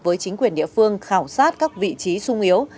với chính quyền địa phương khảo sát các vị trí sung yếu